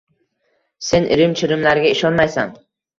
Sen irim-chirimlarga ishonmaysan.